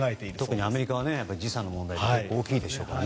特にアメリカは時差の問題が大きいでしょうからね。